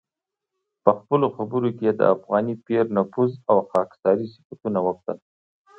په خپلو خبرو کې یې د افغاني پیر نفوذ او خاکساري صفتونه وکړل.